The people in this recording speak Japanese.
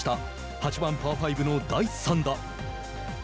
８パー５の第３打。